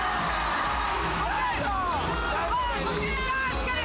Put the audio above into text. ・しっかり！